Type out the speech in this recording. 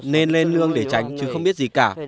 nên lên nương để tránh chứ không biết gì cả